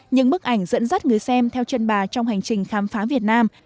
những bức ảnh dẫn dắt người xem theo chân bà trong hành trình khám phá việt nam